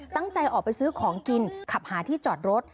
ตั้งใจออกไปซื้อของกินขับหาที่จอดรถ